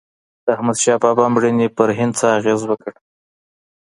د احمد شاه بابا مړینې پر هند څه اغېز وکړ؟